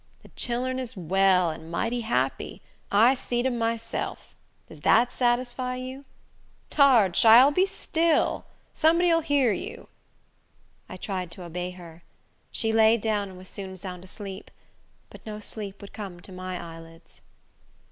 De chillern is well, and mighty happy. I seed 'em myself. Does dat satisfy you? Dar, chile, be still! Somebody vill hear you." I tried to obey her. She lay down, and was soon sound asleep; but no sleep would come to my eyelids.